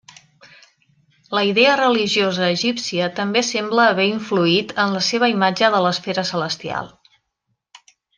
La idea religiosa egípcia també sembla haver influït en la seva imatge de l'esfera celestial.